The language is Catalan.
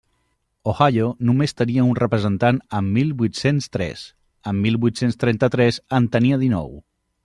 Ohio només tenia un representant en mil vuit-cents tres; en mil vuit-cents trenta-tres en tenia dinou.